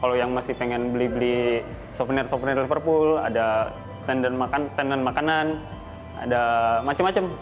kalau yang masih pengen beli beli souvenir souvenir liverpool ada tenan makanan ada macam macam